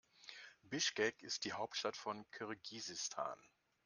Bischkek ist die Hauptstadt von Kirgisistan.